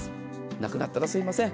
なくなったらすみません。